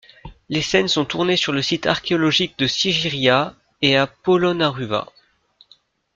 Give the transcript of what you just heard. Les scènes sont tournées sur le site archéologique de Sigirîya et à Polonnâruvâ.